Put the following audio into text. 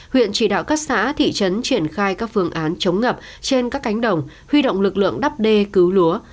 huyện chỉ đạo các xã thị trấn triển khai các phương án chống ngập trên các cánh đồng huy động lực lượng đắp đê cứu lúa